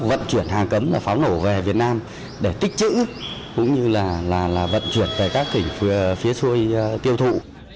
vận chuyển hàng cấm và pháo nổ về việt nam để tích trữ cũng như là vận chuyển về các tỉnh phía xuôi tiêu thụ